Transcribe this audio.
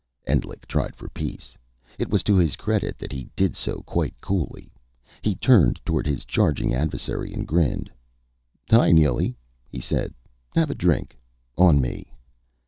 Endlich tried for peace. It was to his credit that he did so quite coolly. He turned toward his charging adversary and grinned. "Hi, Neely," he said. "Have a drink on me."